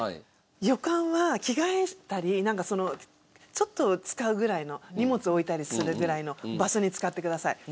旅館は着替えたりなんかそのちょっと使うぐらいの荷物置いたりするぐらいの場所に使ってください。